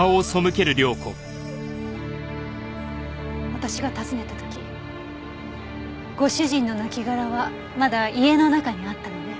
私が訪ねた時ご主人の亡きがらはまだ家の中にあったのね？